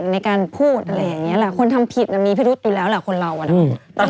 นี่ไม่ได้ตั้งหลายปีนึง